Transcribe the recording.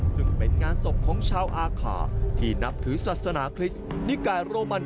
ซึ่งเป็นงานศพของชาวอาคาที่นับถือศาสนาคริสต์นิกายโรมัน